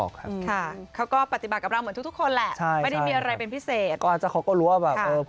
เขาก็ปฏิบัติกับเราเหมือนทุกคนไล่